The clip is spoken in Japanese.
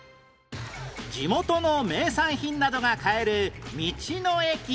地元の名産品などが買える道の駅